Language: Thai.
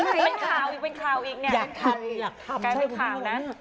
เป็นข่าวอีกเนี่ยใครเป็นข่าวนั้น